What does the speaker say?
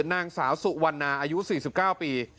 นางสาวสุวรรณาอายุ๔๙ปี